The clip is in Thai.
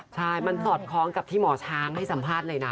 ใช่มันสอดคล้องกับที่หมอช้างให้สัมภาษณ์เลยนะ